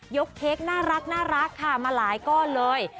เค้กน่ารักค่ะมาหลายก้อนเลย